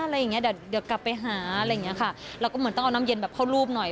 เดี๋ยวกลับไปหาอะไรอย่างนี้ค่ะเราก็เหมือนต้องเอาน้ำเย็นเข้ารูปหน่อย